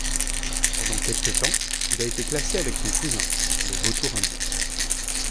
Pendant quelque temps, il a été classé avec son cousin, le Vautour indien.